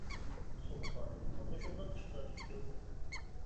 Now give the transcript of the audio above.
سۇن خانىم مانا مۇشۇنداق ئىشقا دۇچ كەلگەن.